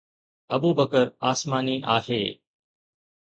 ابوبڪر آسماني آهي